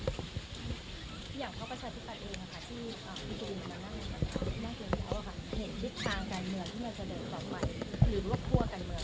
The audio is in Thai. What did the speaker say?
อย่างเท้าประชาธิปัตย์เองค่ะ